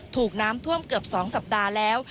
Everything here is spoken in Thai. ถูกน้ำท่วมเกือบ๒สัปดาห์แล้ว